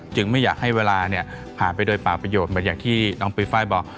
จึงไม่อยากให้เวลาเนี่ยผ่านไปโดยปราบประโยค